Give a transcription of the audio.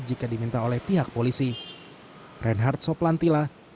jika diminta oleh pihak polisi